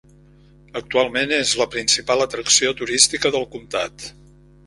Actualment és la principal atracció turística del comtat.